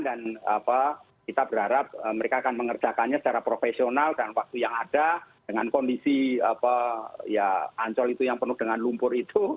dan kita berharap mereka akan mengerjakannya secara profesional dan waktu yang ada dengan kondisi ancol itu yang penuh dengan lumpur itu